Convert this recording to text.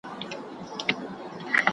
تاسو ته د خیرخانې کوتل بېروبار معلوم دی.